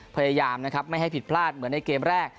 พยายามนะครับไม่ให้ผิดพลาดเหมือนในเกมแรก